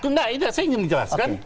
nggak saya ingin menjelaskan